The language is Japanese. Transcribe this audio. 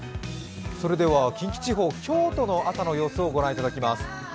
近畿地方、京都の朝の様子を御覧いただきます。